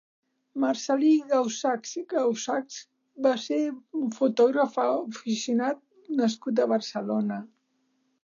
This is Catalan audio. Marcel·lí Gausachs i Gausachs va ser un fotògraf aficionat nascut a Barcelona.